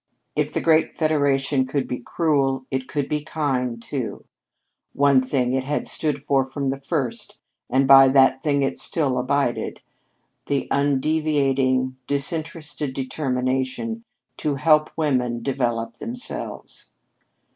If the great Federation could be cruel, it could be kind, too. One thing it had stood for from the first, and by that thing it still abided the undeviating, disinterested determination to help women develop themselves.